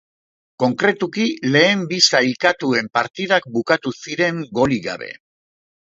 Konkretuki lehen bi sailkatuen partidak bukatu ziren golik gabe.